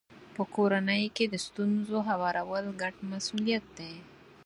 په کورنۍ کې د ستونزو هوارول ګډ مسولیت دی.